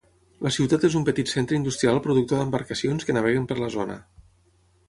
La ciutat és un petit centre industrial productor d'embarcacions que naveguen per la zona.